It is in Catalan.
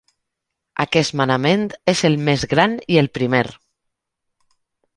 Aquest manament és el més gran i el primer.